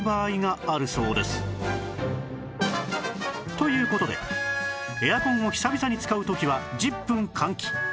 という事でエアコンを久々に使う時は１０分換気